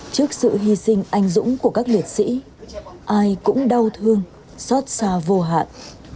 trước sự hy sinh anh dũng của các liệt sĩ ai cũng đau thương xót xa vô hạn